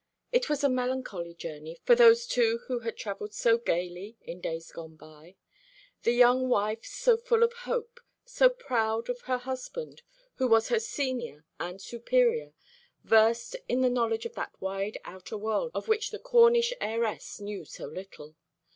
It was a melancholy journey for those two who had travelled so gaily in days gone by the young wife so full of hope, so proud of her husband, who was her senior and superior, versed in the knowledge of that wide outer world of which the Cornish heiress knew so little.